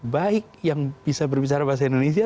baik yang bisa berbicara bahasa indonesia